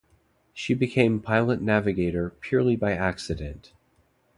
She became pilot-navigator purely by accident.